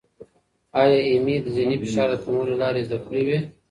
ایا ایمي د ذهني فشار د کمولو لارې زده کړې وې؟